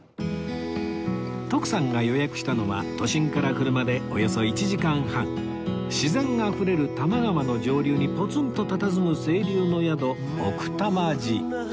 徳さんが予約したのは都心から車でおよそ１時間半自然あふれる多摩川の上流にポツンとたたずむ清流の宿おくたま路